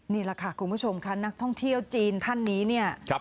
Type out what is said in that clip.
นี่แหละค่ะคุณผู้ชมค่ะนักท่องเที่ยวจีนท่านนี้เนี่ย